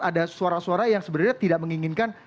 ada suara suara yang sebenarnya tidak menginginkan